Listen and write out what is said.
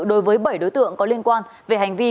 đối với bảy đối tượng có liên quan về hành vi